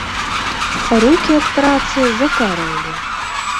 Рукі ад працы закарэлі.